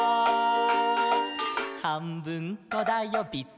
「はんぶんこだよビスケット」